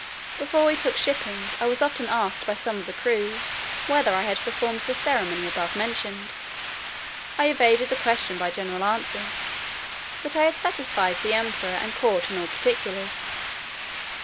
Before we took shipping, I was often asked by some of the crew, whether I had performed the ceremony above mentioned. I evaded the question by general answers; "that I had satisfied the Emperor and court in all particulars."